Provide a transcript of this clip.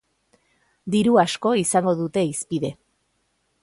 Diru asko izango dute hizpide.